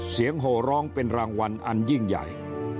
โหร้องเป็นรางวัลอันยิ่งใหญ่